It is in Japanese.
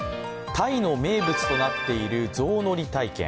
タイの名物となっているゾウ乗り体験。